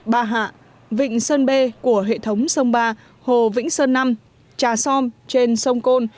ba hạ vịnh sơn bê của hệ thống sông ba hồ vĩnh sơn năm trà som trên sông côn